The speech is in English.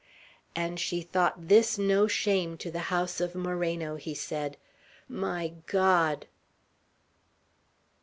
"And she thought this no shame to the house of Moreno!" he said. "My God!"